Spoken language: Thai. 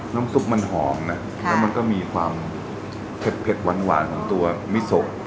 น้ำซุปมันหอมนะค่ะแล้วมันก็มีความเผ็ดเผ็ดหวานหวานของตัวมิสโกค่ะ